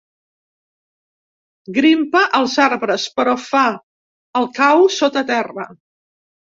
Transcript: Grimpa als arbres, però fa el cau sota terra.